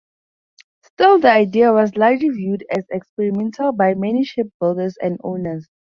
Still the idea was largely viewed as experimental by many ship builders and owners.